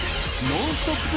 ノンストップ！